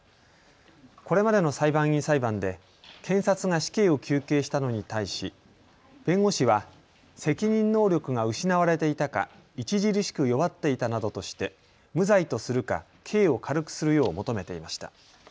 これまでの裁判員裁判で検察が死刑を求刑したのに対し弁護士は責任能力が失われていたか著しく弱っていたなどとして無罪とするか、刑を軽くするよう求めていました。